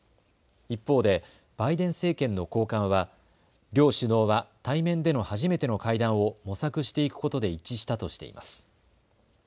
一方でバイデン政権の高官は両首脳は対面での初めての会談を模索していくことで一致したとしています。